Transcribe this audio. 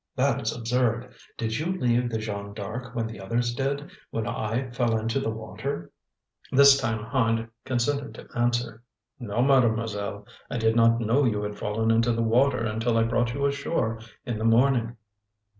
That is absurd. Did you leave the Jeanne D'Arc when the others did when I fell into the water?" This time Hand consented to answer. "No, Mademoiselle; I did not know you had fallen into the water until I brought you ashore in the morning."